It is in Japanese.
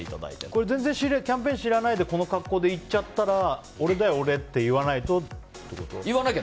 このキャンペーン知らないでこの格好で行っちゃったら俺だよ俺！って言わないといけないの？